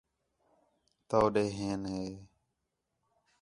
توڈے ہین ہِے